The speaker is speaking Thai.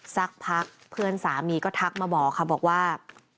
สักพักเพื่อนสามีก็ทักมาบอกค่ะบอกว่า